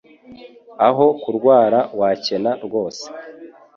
Aho kurwara wa kena rwose